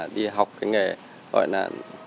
đi học cái nghề gọi là